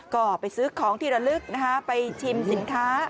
ก็ไปซื้อของที่ระลึกนะคะไปชิมสินค้า